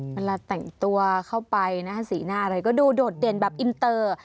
เวลาแต่งตัวเข้าไปนะสีหน้าอะไรก็ดูโดดเด่นแบบอินเตอร์